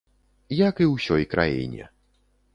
Як і ўсёй краіне.